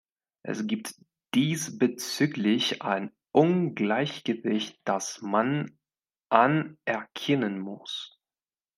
Es gibt diesbezüglich ein Ungleichgewicht, das man anerkennen muss.